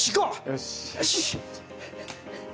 よし！